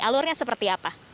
alurnya seperti apa